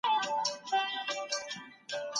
تاسو بايد د سياست پوهني په اړه د پوهانو پوښتنه وکړئ.